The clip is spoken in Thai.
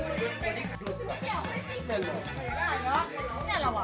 ออทิศรักกับภาพสูตรโอ้ยคุณครับ